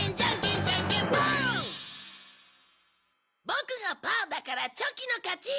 ボクがパーだからチョキの勝ち！